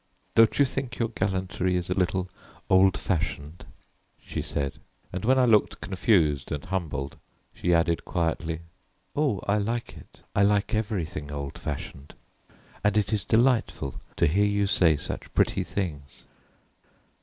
"Don't you think your gallantry is a little old fashioned?" she said; and when I looked confused and humbled, she added quietly, "Oh, I like it, I like everything old fashioned, and it is delightful to hear you say such pretty things."